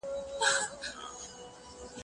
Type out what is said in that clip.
زه بايد د کتابتون د کار مرسته وکړم!.